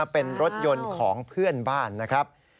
เป็นรถยนต์ของเพื่อนบ้านนะครับ